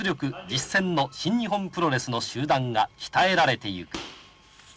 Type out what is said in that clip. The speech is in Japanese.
・実践の新日本プロレスの集団が鍛えられてゆく